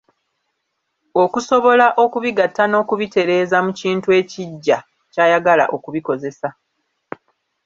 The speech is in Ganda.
Okusobola okubigatta n'okubitereeza mu kintu ekiggya ky'ayagala okubikozesa.